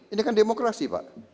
ini kan demokrasi pak